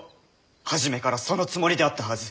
初めからそのつもりであったはず。